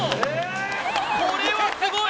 これはすごい！